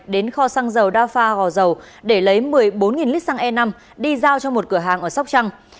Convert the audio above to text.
đến kho xăng dầu dafa gò dầu để lấy một mươi bốn lít xăng e năm đi giao cho một cửa hàng ở sóc trăng